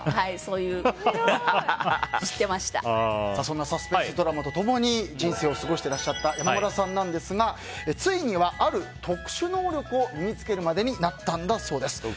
そんなサスペンスドラマと共に人生を過ごしていらっしゃった山村さんですがついには、ある特殊能力を身に付けるまでになったんだそうです。